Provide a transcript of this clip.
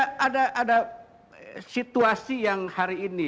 karena ada situasi yang hari ini